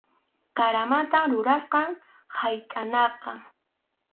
Qaramanta rurasqam haytʼanaqa.